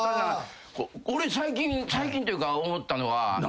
俺最近最近というか思ったのは何？